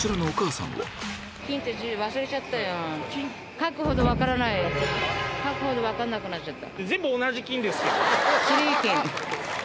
書くほど分かんなくなっちゃった。